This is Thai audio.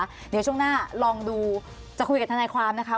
เดี๋ยวช่วงหน้าลองดูจะคุยกับทนายความนะคะ